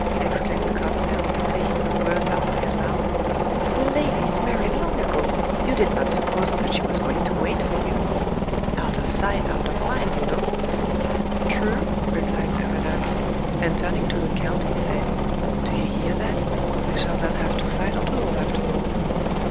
exclaimed the colonel, taking the words out of his mouth; "the lady is married long ago; you did not suppose that she was going to wait for you. 'Out of sight, out of mind,' you know." "True," replied Servadac; and turning to the count he said, "Do you hear that? We shall not have to fight our duel after all."